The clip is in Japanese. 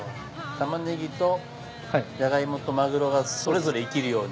タマネギとジャガイモとマグロがそれぞれ活きるように。